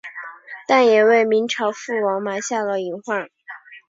但也为明朝覆亡埋下了隐患。